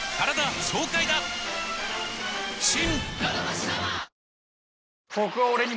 新！